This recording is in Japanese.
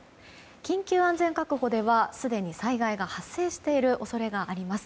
緊急安全確保ではすでに災害が発生している恐れがあります。